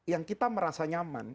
yang kita merasa nyaman